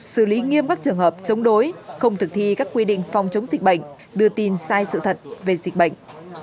xử lý nghiêm các trường hợp chống đối không thực thi các quy định phòng chống dịch bệnh đưa tin sai sự thật về dịch bệnh